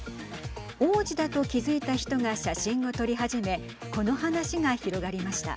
王子だと気づいた人が写真を撮り始めこの話が広がりました。